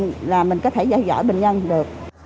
thì mình có thể giải dõi bệnh nhân được